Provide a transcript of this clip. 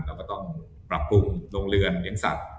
เราก็ต้องปรับปรุงโรงเรือนเลี้ยงสัตว